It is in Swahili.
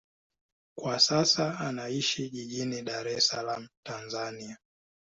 Kwa sasa anaishi jijini Dar es Salaam, Tanzania.